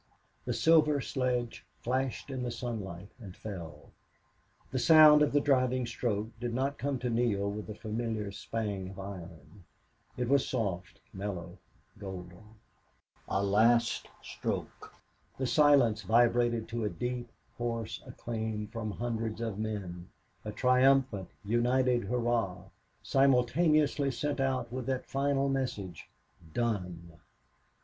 The silver sledge flashed in the sunlight and fell. The sound of the driving stroke did not come to Neale with the familiar spang of iron; it was soft, mellow, golden. A last stroke! The silence vibrated to a deep, hoarse acclaim from hundreds of men a triumphant, united hurrah, simultaneously sent out with that final message, "Done!"